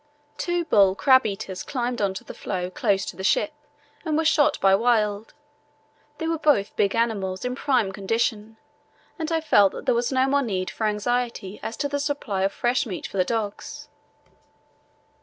Two bull crab eaters climbed on to the floe close to the ship and were shot by Wild. They were both big animals in prime condition, and I felt that there was no more need for anxiety as to the supply of fresh meat for the dogs.